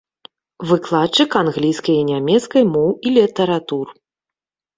Выкладчык англійскай і нямецкай моў і літаратур.